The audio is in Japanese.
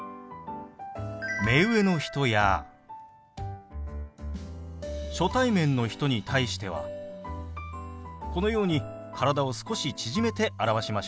目上の人や初対面の人に対してはこのように体を少し縮めて表しましょう。